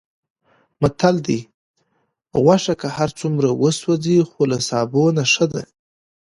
متل دی: غوښه که هرڅومره وسوځي، خو له سابو نه ښه وي.